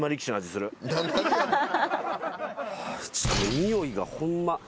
においがホンマ。